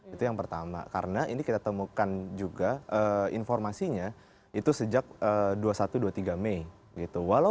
itu yang pertama karena ini kita temukan juga informasinya itu sejak dua puluh satu dua puluh tiga mei gitu